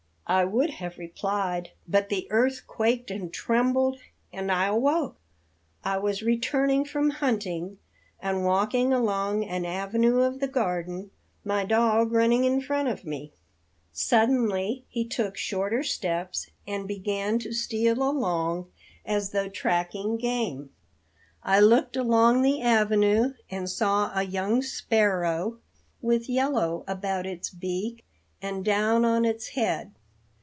I would have replied, but the earth quaked and trembled, and I awoke. I was returning from hunting, and walking along an avenue of the garden, my dog running in front of me. Suddenly he took shorter steps, and began to steal along as though tracking game. I looked along the avenue, and saw a young sparrow, with yellow about its beak and down on its head.